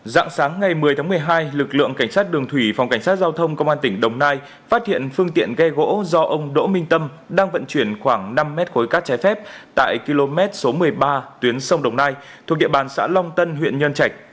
dạng sáng ngày một mươi tháng một mươi hai lực lượng cảnh sát đường thủy phòng cảnh sát giao thông công an tỉnh đồng nai phát hiện phương tiện ghe gỗ do ông đỗ minh tâm đang vận chuyển khoảng năm mét khối cát trái phép tại km số một mươi ba tuyến sông đồng nai thuộc địa bàn xã long tân huyện nhân trạch